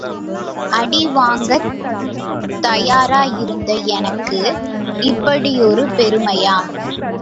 அடி வாங்கத் தயாராயிருந்த எனக்கு இப்படி ஒரு பெருமையா?